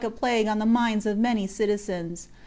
a plague on the minds of many citizens.